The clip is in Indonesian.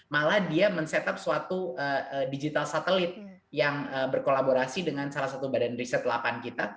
malah dia men setup suatu digital satelit yang berkolaborasi dengan salah satu badan riset lapan kita